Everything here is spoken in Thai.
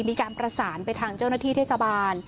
มีการประสานไปทางเจ้าหน้าที่เทศบาล